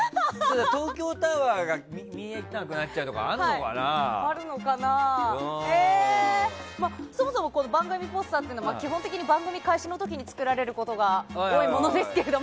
東京タワーが見えなくなっちゃうとかそもそも番組ポスターっていうのは基本的に番組開始の時に作られることが多いものですけど。